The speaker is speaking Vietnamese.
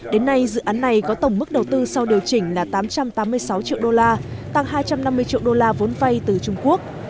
đến nay dự án này có tổng mức đầu tư sau điều chỉnh là tám trăm tám mươi sáu triệu đô la tăng hai trăm năm mươi triệu đô la vốn vay từ trung quốc